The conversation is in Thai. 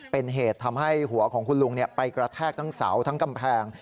เป็นเหตุทำให้หัวของคุณลุงไปกระแทกทั้งเสาทั้งกำแพง